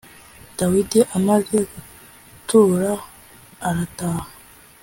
dawidi amaze gutura arataha.